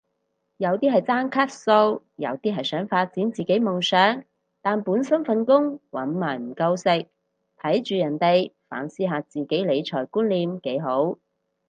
有啲係爭卡數，有啲係想發展自己夢想但本身份工搵埋唔夠食，睇住人哋反思下自己理財觀念幾好